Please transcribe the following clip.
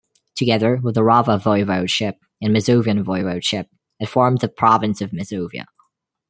Together with the Rawa Voivodeship and Masovian Voivodeship it formed the province of Mazovia.